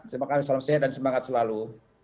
terima kasih salam sehat dan semangat selalu